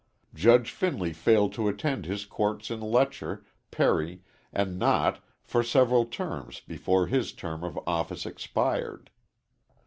Judge Finley failed to attend his courts in Letcher, Perry and Knott for several terms before his term of office expired.